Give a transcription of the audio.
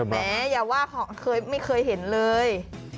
แม้อย่าว่าไม่เคยเห็นเลย